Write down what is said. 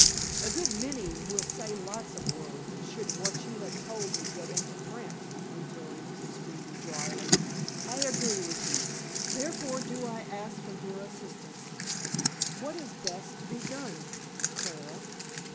"A good many will say lots of words, should what you have told me get into print," rejoined Miss Greeby dryly. "I agree with you. Therefore do I ask for your assistance. What is best to be done, Clara?"